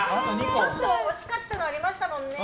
惜しかったのありましたもんね。